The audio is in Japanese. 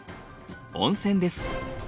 温泉です。